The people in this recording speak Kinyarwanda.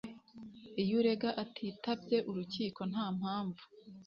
iyo urega atitabye urukiko nta mpamvu